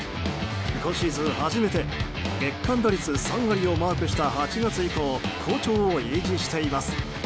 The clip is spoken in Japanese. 今シーズン初めて月間打率３割をマークした８月以降好調を維持しています。